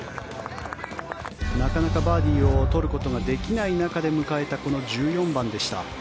なかなかバーディーを取ることができない中で迎えた１４番でした。